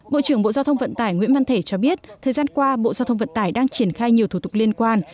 bộ trưởng bộ giao thông vận tải nguyễn văn thể cho biết thời gian qua bộ giao thông vận tải đang triển khai nhiều thủ tục liên quan